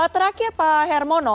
terakhir pak hermono